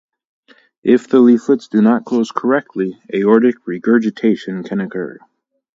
If the leaflets do not close correctly, aortic regurgitation can occur.